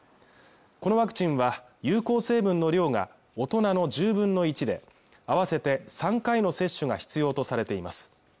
このワクチンは有効成分の量が大人の１０分の１で合わせて３回の接種が必要とされています